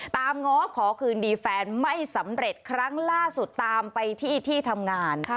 ง้อขอคืนดีแฟนไม่สำเร็จครั้งล่าสุดตามไปที่ที่ทำงาน